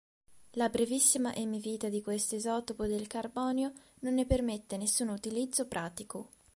La brevissima emivita di questo isotopo del carbonio non ne permette nessun utilizzo pratico.